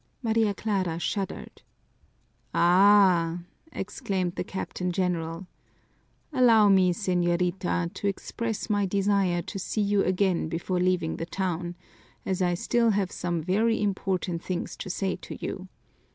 Maria Clara shuddered. "Ah!" exclaimed the Captain General. "Allow me, señorita, to express my desire to see you again before leaving the town, as I still have some very important things to say to you.